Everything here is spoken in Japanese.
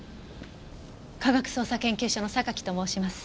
科学捜査研究所の榊と申します。